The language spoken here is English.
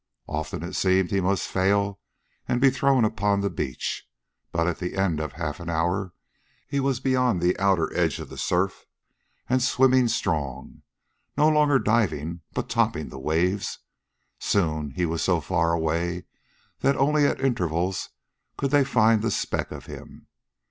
Often it seemed he must fail and be thrown upon the beach, but at the end of half an hour he was beyond the outer edge of the surf and swimming strong, no longer diving, but topping the waves. Soon he was so far away that only at intervals could they find the speck of him.